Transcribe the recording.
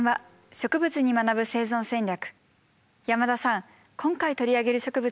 「植物に学ぶ生存戦略」。